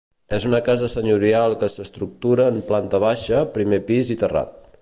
És una casa senyorial que s'estructura en planta baixa, primer pis i terrat.